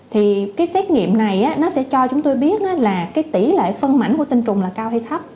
thì cái xét nghiệm này nó sẽ cho chúng tôi biết là cái tỷ lệ phân mảnh của tinh trùng là cao hay thấp